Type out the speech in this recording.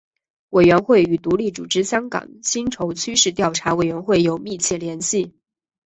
委员会与独立组织香港薪酬趋势调查委员会有密切联系。